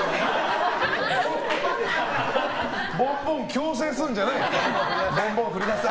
ボンボン強制するんじゃないよ。